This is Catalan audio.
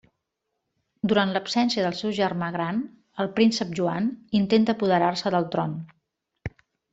Durant l'absència del seu germà gran, el príncep Joan intenta apoderar-se del tron.